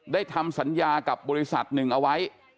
ทำสัญญากับบริษัทหนึ่งเอาไว้